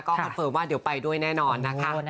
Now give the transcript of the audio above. คอนเฟิร์มว่าเดี๋ยวไปด้วยแน่นอนนะคะ